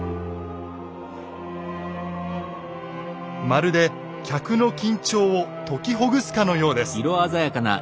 まるで客の緊張を解きほぐすかのようです。